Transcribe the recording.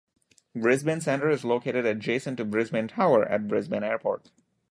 Brisbane Centre is located adjacent to Brisbane Tower at Brisbane Airport.